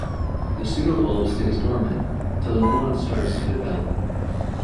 The pseudobulb stays dormant, till a new one starts to develop.